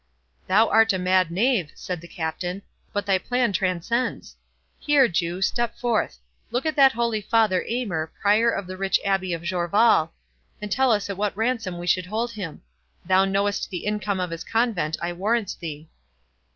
"Thou art a mad knave," said the Captain, "but thy plan transcends!—Here, Jew, step forth—Look at that holy Father Aymer, Prior of the rich Abbey of Jorvaulx, and tell us at what ransom we should hold him?—Thou knowest the income of his convent, I warrant thee."